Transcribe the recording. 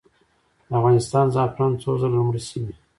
د افغانستان زعفران څو ځله لومړي شوي؟